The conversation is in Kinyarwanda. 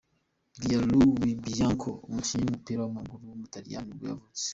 Gianluigi Bianco, umukinnyi w’umupira w’amaguru w’umutaliyani nibwo yavutse.